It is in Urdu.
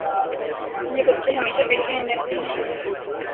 یہ بچے ہمیشہ بے چین رہتیں ہیں